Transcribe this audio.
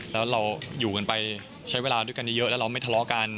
แล้วเราอยู่กันไปใช้เวลาด้วยกันเยอะแล้วเราไม่ทะเลาะกัน